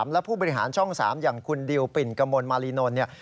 และผู้บริหารช่อง๓อย่างคุณดิวปิ่นกมลมารีนนท์เนี่ย